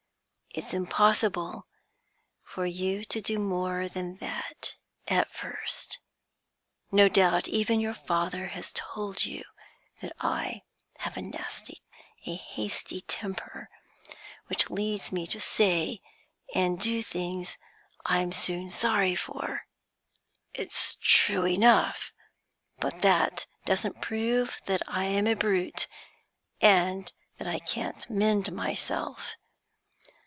It's impossible for you to do more than that at first. No doubt even your father has told you that I have a hasty temper, which leads me to say and do things I'm soon sorry for. It's true enough, but that doesn't prove that I am a brute, and that I can't mend myself.